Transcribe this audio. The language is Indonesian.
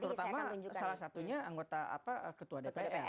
terutama salah satunya anggota ketua dpr